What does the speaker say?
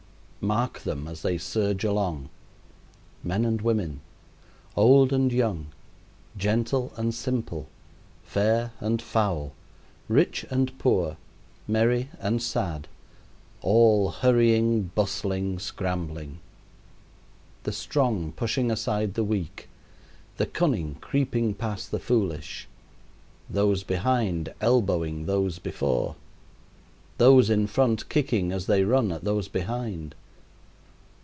Mark them as they surge along men and women, old and young, gentle and simple, fair and foul, rich and poor, merry and sad all hurrying, bustling, scrambling. The strong pushing aside the weak, the cunning creeping past the foolish; those behind elbowing those before; those in front kicking, as they run, at those behind.